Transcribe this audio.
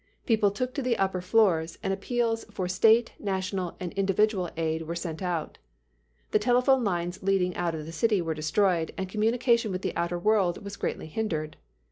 People took to the upper floors, and appeals for state, national and individual aid were sent out. The telephone lines leading out of the city were destroyed, and communication with the outer world was greatly hindered.